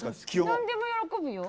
何でも喜ぶよ。